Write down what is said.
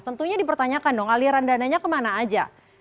tentunya dipertanyakan dong aliran dananya kemana aja